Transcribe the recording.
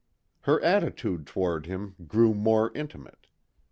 Her attitude toward him grew more intimate.